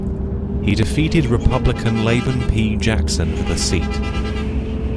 He defeated Republican Laban P. Jackson for the seat.